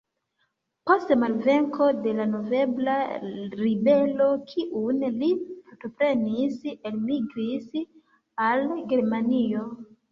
Post malvenko de la novembra ribelo, kiun li partoprenis, elmigris al Germanio.